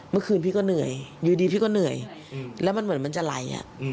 เมื่อคืนพี่ก็เหนื่อยอยู่ดีพี่ก็เหนื่อยแล้วมันเหมือนมันจะไหล